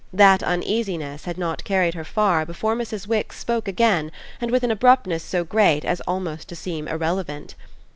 That uneasiness had not carried her far before Mrs. Wix spoke again and with an abruptness so great as almost to seem irrelevant.